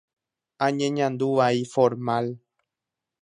añeñandu vai formal.